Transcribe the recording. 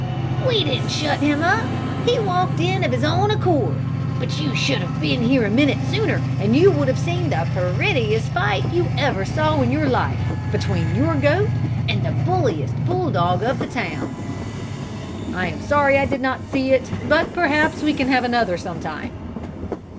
"We did not shut him up. He walked in of his own accord; but you should have been here a minute sooner and you would have seen the prettiest fight you ever saw in your life, between your goat and the bulliest bull dog of the town." "I am sorry I did not see it; but perhaps we can have another sometime."